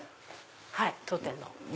はい当店の。